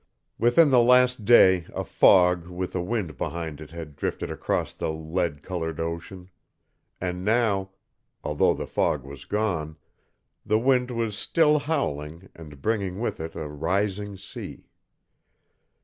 Within the last day a fog with a wind behind it had drifted across the lead colored ocean; and now, although the fog was gone, the wind was still howling and bringing with it a rising sea.